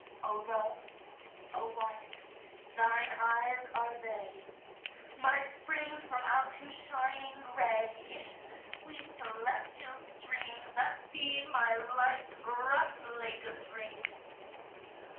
O Love, O Wife, thine eyes are they, My springs from out whose shining gray Issue the sweet celestial streams That feed my life's bright Lake of Dreams.